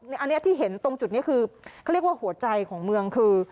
อันนี้ที่เห็นตรงจุดนี้คือเขาเรียกว่าหัวใจของเมืองคือ